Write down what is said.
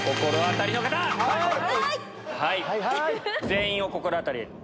全員お心当たり。